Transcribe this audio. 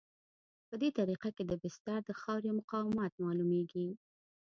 په دې طریقه کې د بستر د خاورې مقاومت معلومیږي